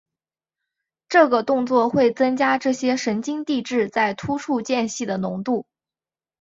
这个作用会增加这些神经递质在突触间隙的浓度。